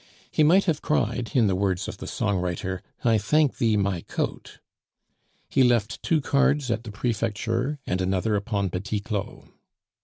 He might have cried, in the words of the songwriter, "I thank thee, my coat!" He left two cards at the prefecture, and another upon Petit Claud.